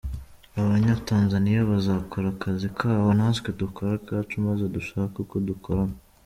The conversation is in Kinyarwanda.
Abanyatanzaniya bazakora akazi kabo, natwe dukore akacu maze dushake uko dukorana.